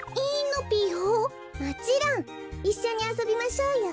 もちろん！いっしょにあそびましょうよ。